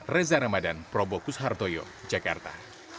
reza ramadan probokus hartoyo jakarta